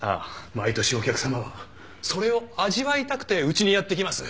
毎年お客さまはそれを味わいたくてうちにやって来ます。